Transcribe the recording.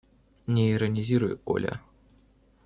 Не иронизируй, Оля.